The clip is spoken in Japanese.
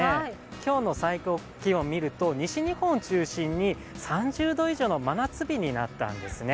今日の最高気温見ると西日本中心に３０度以上の真夏日になったんですね。